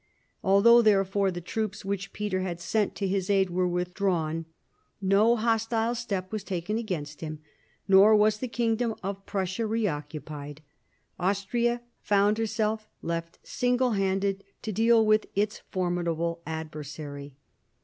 Although, therefore, the troops which Peter had sent to his aid were withdrawn, no hostile step was taken against him, nor was the kingdom of Prussia reoccupied; Austria found itself left single handed to deal with its formidable adversary.